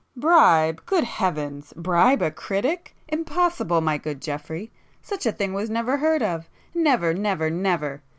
"Bribe! Good Heavens! Bribe a critic! Impossible, my good Geoffrey!—such a thing was never heard of—never, never, never!"